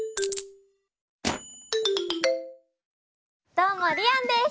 どうもりあんです！